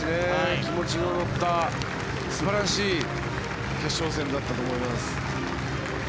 気持ちの乗った素晴らしい決勝戦だったと思います。